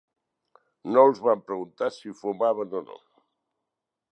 No els van preguntar si fumaven o no.